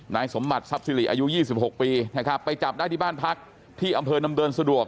นายสมบัติทรัพย์สิริอายุ๒๖ปีนะครับไปจับได้ที่บ้านพักที่อำเภอนำเดินสะดวก